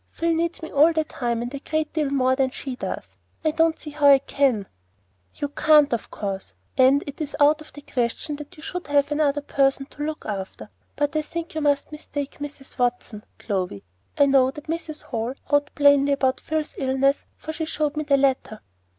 Phil needs me all the time, and a great deal more than she does; I don't see how I can." "You can't, of course. You are here to take care of Phil; and it is out of the question that you should have another person to look after. But I think you must mistake Mrs. Watson, Clovy. I know that Mrs. Hall wrote plainly about Phil's illness, for she showed me the letter."